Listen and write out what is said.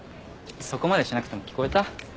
そこまでしなくても聞こえた？